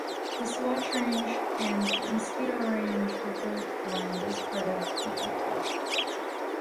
The Sawatch Range and Mosquito Range were both formed as part of the uplift.